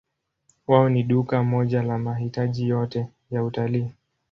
Wao ni duka moja la mahitaji yote ya utalii.